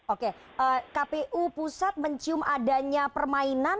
oke kpu pusat mencium adanya permainan